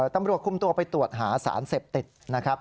ตำรวจคุมตัวไปตรวจหาสารเสพติดนะครับ